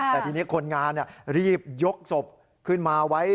แต่ทีนี้คนงานรีบยกศพขึ้นมาไว้